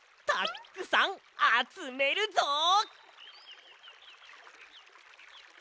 たっくさんあつめるぞ！